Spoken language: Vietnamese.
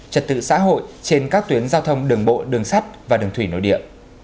trật tự xã hội trên các tuyến giao thông đường bộ đường sắt và đường thủy nội địa